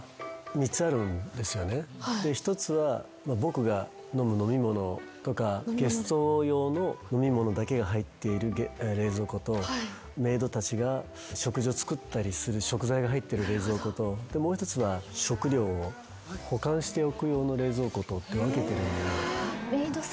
１つは僕が飲む飲み物とかゲスト用の飲み物だけが入っている冷蔵庫とメイドたちが食事を作ったりする食材が入ってる冷蔵庫ともう一つは食糧を保管しておく用の冷蔵庫とって分けてるんで。